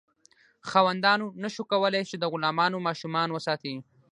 خاوندانو نشو کولی چې د غلامانو ماشومان وساتي.